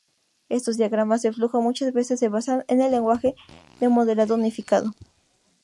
Estos diagramas de flujo muchas veces se basan en el lenguaje de modelado unificado.